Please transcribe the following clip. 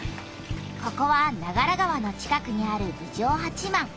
ここは長良川のちかくにある郡上八幡。